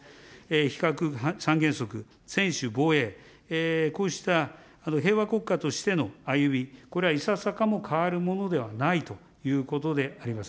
非核三原則、専守防衛、こうした平和国家としての歩み、これはいささかも変わるものではないということであります。